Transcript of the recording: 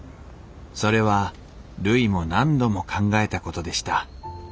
それはるいも何度も考えたことでした。